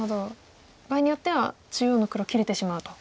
場合によっては中央の黒切れてしまうと。